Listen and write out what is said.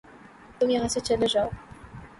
تم یہاں سے چلے جاؤ